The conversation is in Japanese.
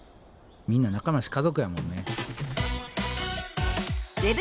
みんな仲間やし家族やもんね。